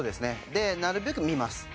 でなるべく見ます。